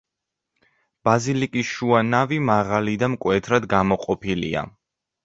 ბაზილიკის შუა ნავი მაღალი და მკვეთრად გამოყოფილია.